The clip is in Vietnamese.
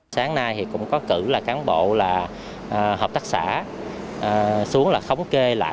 sáng nay thì cũng có cử là cán bộ là hợp tác xã xuống là thống kê lại